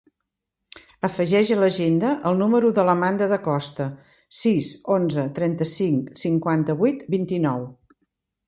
Afegeix a l'agenda el número de l'Amanda Da Costa: sis, onze, trenta-cinc, cinquanta-vuit, vint-i-nou.